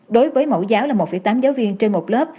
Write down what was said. đối với mẫu giáo là một tám giáo viên trên một lớp